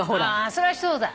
そりゃあそうだ。